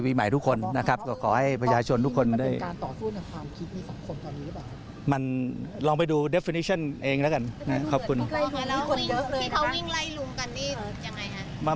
ที่เขาวิ่งไล่ลุงกันดียังไงคะ